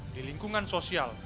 di lingkungan sosial